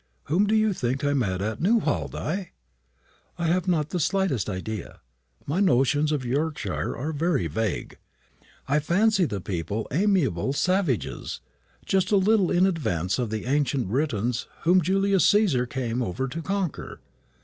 Whom do you think I met at Newhall, Di?" "I have not the slightest idea. My notions of Yorkshire are very vague. I fancy the people amiable savages; just a little in advance of the ancient Britons whom Julius Caesar came over to conquer.